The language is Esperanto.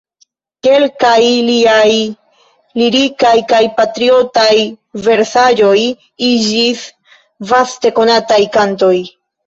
Kelkaj liaj lirikaj kaj patriotaj versaĵoj iĝis vaste konataj kantoj.